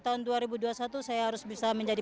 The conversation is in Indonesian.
tahun dua ribu dua puluh satu saya harus bisa menjadi